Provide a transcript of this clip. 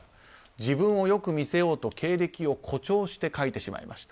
自分を良く見せようと経歴を誇張して書いてしまいました。